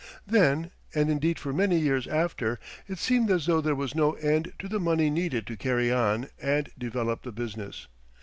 Then, and indeed for many years after, it seemed as though there was no end to the money needed to carry on and develop the business.